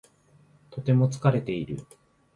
とても疲れている。